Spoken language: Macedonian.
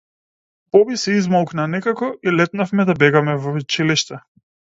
Боби се измолкна некако и летнавме да бегаме в училиште.